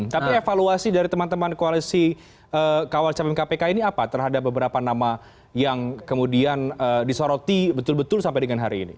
tapi evaluasi dari teman teman koalisi kawal capim kpk ini apa terhadap beberapa nama yang kemudian disoroti betul betul sampai dengan hari ini